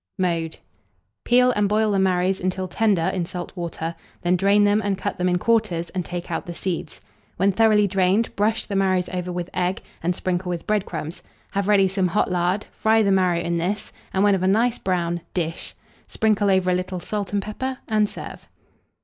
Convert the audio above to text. Mode. Peel, and boil the marrows until tender in salt and water; then drain them and cut them in quarters, and take out the seeds. When thoroughly drained, brush the marrows over with egg, and sprinkle with bread crumbs; have ready some hot lard, fry the marrow in this, and, when of a nice brown, dish; sprinkle over a little salt and pepper, and serve.